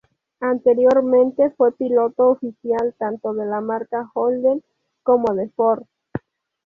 Anteriormente fue piloto oficial tanto de la marca Holden como de Ford.